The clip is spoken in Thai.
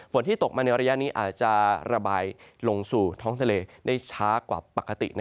ที่ตกมาในระยะนี้อาจจะระบายลงสู่ท้องทะเลได้ช้ากว่าปกติ